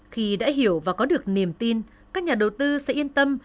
khi đã hiểu và có được niềm tin các nhà đầu tư sẽ yên tâm